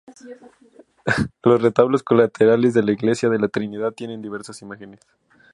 Los retablos colaterales de la iglesia de la Trinidad tienen diversas imágenes.